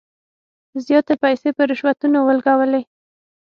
زیاتي پیسې په رشوتونو ولګولې.